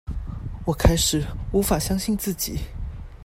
我開始無法相信自己